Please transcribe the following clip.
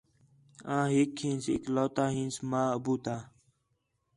آں ہِک ہینس اکلوتہ ہینس ماں، ابو تا